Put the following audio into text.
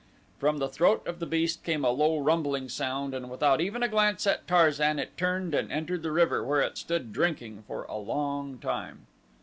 From the throat of the beast came a low rumbling sound and without even a glance at Tarzan it turned and entered the river where it stood drinking for a long time.